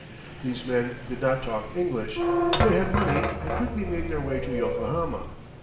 These men did not talk English, but they had money and quickly made their way to Yokohama.